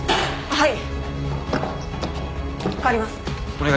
はい。